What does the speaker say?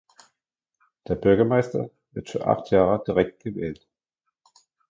Der Bürgermeister wird für acht Jahre direkt gewählt.